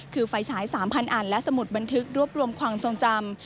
คือไฟฉาย๓๐๐อันและสมุดบันทึกรวบรวมความทรงจำ